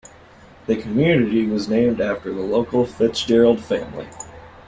The community was named after the local Fitzgerald family.